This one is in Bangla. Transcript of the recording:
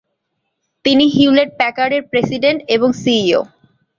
তিনি হিউলেট-প্যাকার্ড এর প্রেসিডেন্ট এবং সিইও।